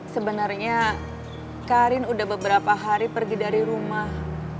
sebenarnya karin udah beberapa hari pergi dari rumah